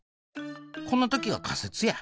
こんな時は仮説や。